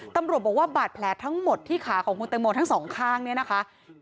ตำรวจบอกว่าบาดแผลทั้งหมดที่ขาของคุณแตงโมทั้งสองข้างเนี่ยนะคะ